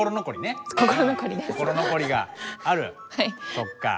そっか。